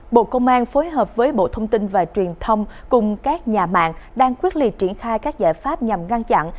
bộ công an phối hợp với bộ thông tin và truyền thông cùng các nhà mạng đang quyết liệt triển khai các giải pháp nhằm ngăn chặn